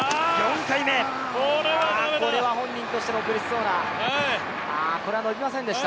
これは本人としても苦しそうな、伸びませんでした。